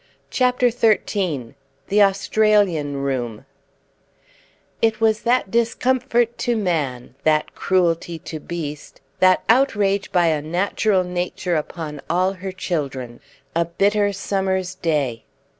CHAPTER XIII THE AUSTRALIAN ROOM It was that discomfort to man, that cruelty to beast, that outrage by unnatural Nature upon all her children a bitter summer's day.